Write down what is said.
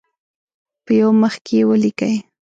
په یو مخ کې یې ولیکئ.